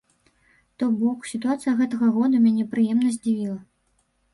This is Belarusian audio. То бок, сітуацыя гэтага года мяне прыемна здзівіла.